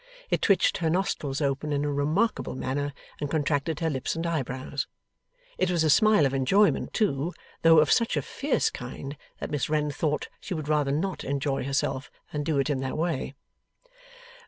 It twitched her nostrils open in a remarkable manner, and contracted her lips and eyebrows. It was a smile of enjoyment too, though of such a fierce kind that Miss Wren thought she would rather not enjoy herself than do it in that way.